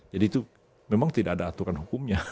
jadi itu memang tidak ada aturan hukumnya